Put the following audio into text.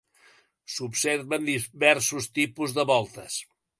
S'observen diversos tipus de voltes.